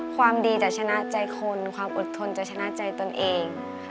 ความดีจะชนะใจคนความอดทนจะชนะใจตนเอง